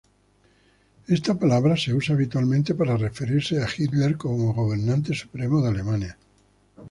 Esta palabra se usa habitualmente para referirse a Hitler como gobernante supremo de Alemania.